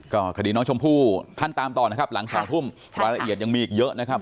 ก็คดีน้องชมพู่ท่านตามต่อนะครับหลัง๒ทุ่มรายละเอียดยังมีอีกเยอะนะครับ